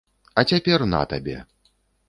А цяпер на табе!